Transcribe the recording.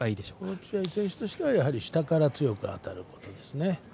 落合選手としては下から強くあたることですね。